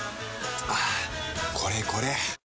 はぁこれこれ！